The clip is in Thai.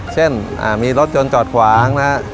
เช่นมีรถยนต์จอดขวางนะครับ